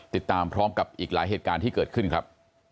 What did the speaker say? ติดตามพร้อมกับอีกหลายเหตุการณ์ที่เกิดขึ้นครับ